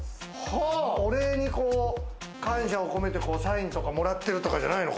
お礼にこう、感謝を込めて、サインとかもらってるとかじゃないの？